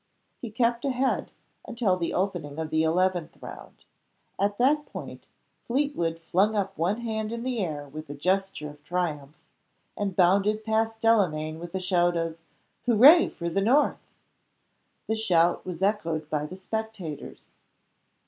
He kept ahead, until the opening of the eleventh round. At that point, Fleetwood flung up one hand in the air with a gesture of triumph; and bounded past Delamayn with a shout of "Hooray for the North!" The shout was echoed by the spectators.